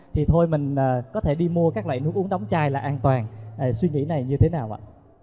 thì thôi mình có thể đi mua các loại nước uống đóng chai là an toàn suy nghĩ này như thế nào ạ